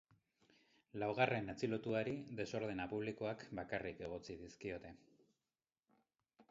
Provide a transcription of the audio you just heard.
Laugarren atxilotuari desordena publikoak bakarrik egotzi dizkiote.